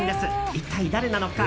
一体誰なのか？